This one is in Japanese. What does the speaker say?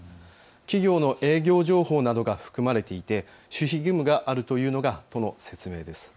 企業の営業情報などが含まれていて守秘義務があるというのが都の説明です。